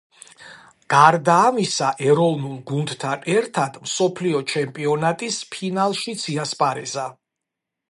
გარდა ამისა, ეროვნულ გუნდთან ერთად მსოფლიო ჩემპიონატის ფინალშიც იასპარეზა.